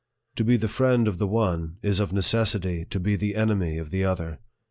To be the friend of the one, is of necessity to be the enemy of the other.